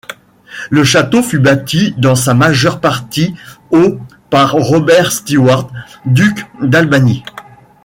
Le château fut bâti dans sa majeure partie au par Robert Stewart, duc d’Albany.